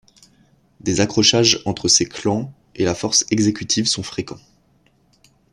Des accrochages entre ces clans et la Force exécutive sont fréquents.